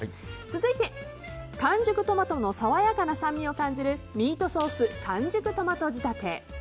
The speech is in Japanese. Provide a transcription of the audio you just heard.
続いて、完熟トマトの爽やかな酸味を感じるミートソース完熟トマト仕立て。